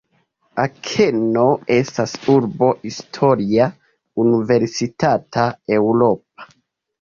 Akeno estas urbo historia, universitata, eŭropa.